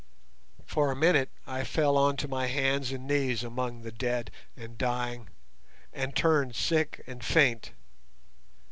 For a minute I fell on to my hands and knees among the dead and dying, and turned sick and faint.